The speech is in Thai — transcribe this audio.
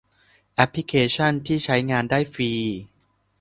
แอพลิเคชั่นที่ใช้งานได้ฟรี